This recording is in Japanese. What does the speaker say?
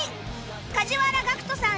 梶原岳人さん